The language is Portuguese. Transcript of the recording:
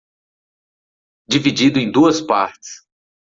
Dividido em duas partes